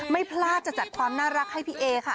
ไม่พลาดจะจัดความน่ารักให้พี่เอค่ะ